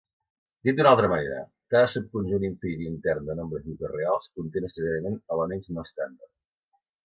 Dit d'una altra manera, cada subconjunt infinit intern de nombres hiperreals conté necessàriament elements no estàndard.